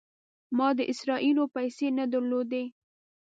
ما د اسرائیلو پیسې نه درلودې.